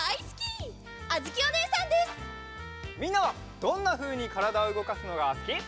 みんなはどんなふうにからだをうごかすのがすき？